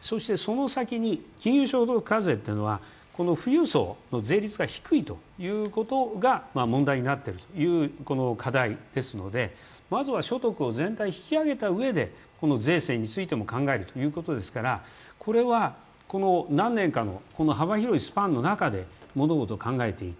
その先に金融所得課税、富裕層の税率が低いということが問題になっているという課題ですので所得を全体引き上げたうえで税制についても考えるということですからこの何年かの幅広いスパンの中で物事を考えていく。